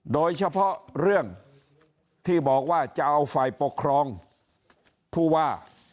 โดยเฉพาะเรื่องที่บอกว่าจะเอาฝ่ายปกครองผู้ว่า